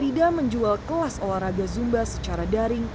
rida menjual kelas olahraga zumba secara daring